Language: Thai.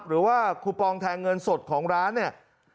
หรือว่าคูปองแทนเงินสดของร้านนี่